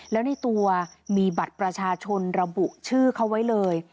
แล้วในตัวมีบัตรประชาชนระบุชื่อเขาไว้เลย